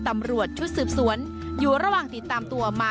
มันจริงหรือเปล่า